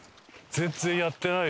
全然やってないよ。